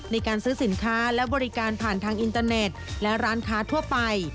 ในการซื้อสินค้าและบริการผ่านทางอินเตอร์เน็ตและร้านค้าทั่วไป